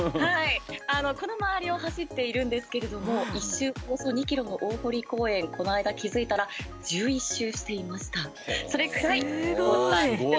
この周りを走っているんですけれども１周およそ２ｋｍの大濠公園この間気付いたら１１周していました。